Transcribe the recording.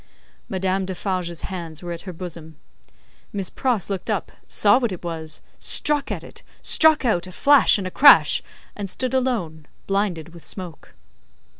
Madame Defarge's hands were at her bosom. Miss Pross looked up, saw what it was, struck at it, struck out a flash and a crash, and stood alone blinded with smoke.